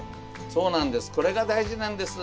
そうなんです